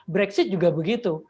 brexit juga begitu